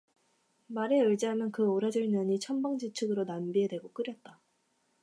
말에 의지하면 그 오라질 년이 천방지축으로 냄비에 대고 끓였다.